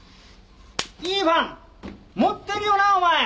いいファン持ってるよなあお前。